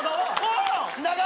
品川。